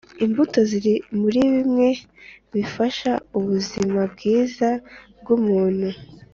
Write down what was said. imbuto ziri muri bimwe bifasha ubuzima bwiza bwu muntu